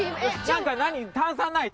炭酸ない？